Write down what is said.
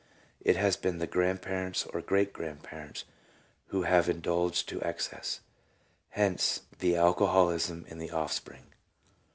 It has been the grandparents or great grandparents who have indulged to excess, hence the alcoholism in the offspring.